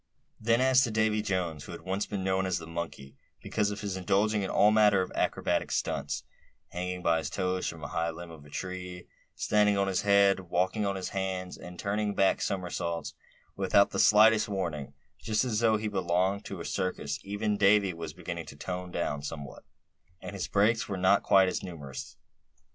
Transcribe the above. Then as to Davy Jones, who had once been known as the "Monkey," because of his indulging in all manner of acrobatic stunts, hanging by his toes from a high limb of a tree; standing on his head; walking on his hands; and turning back somersaults without the slightest warning, just as though he belonged to a circus—even Davy was beginning to tone down somewhat, and his breaks were not quite so numerous.